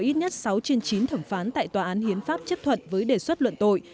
ít nhất sáu trên chín thẩm phán tại tòa án hiến pháp chấp thuận với đề xuất luận tội